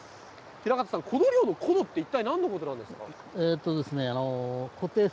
平方さん、コド漁のコドって、一体なんのことなんですか？